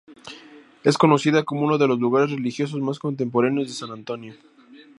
Es conocida como uno de los lugares religiosos más contemporáneos de San Antonio.